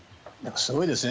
すごいですね。